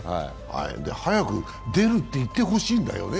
早く出るって言ってほしいんだよね。